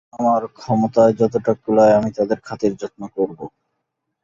আমার ক্ষমতায় যতটা কুলায়, আমি তাঁদের খাতির-যত্ন করব।